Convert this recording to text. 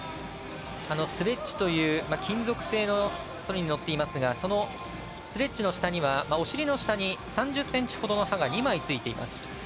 スレッジと呼ばれる金属製のそりに乗っていますがそのスレッジの下にはお尻の下に３０ｃｍほどの刃が２枚ついています。